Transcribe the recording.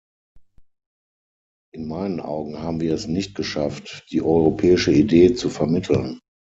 In meinen Augen haben wir es nicht geschafft, die europäische Idee zu vermitteln.